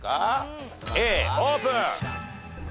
Ａオープン。